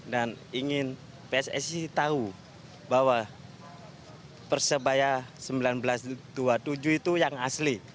ingin pssi tahu bahwa persebaya seribu sembilan ratus dua puluh tujuh itu yang asli